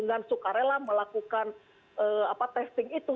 dengan sukarela melakukan testing itu